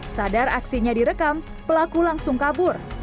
sadar aksinya direkam pelaku langsung kabur